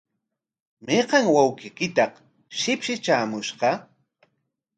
¿Mayqa wawqiykitaq shipshi traamushqa?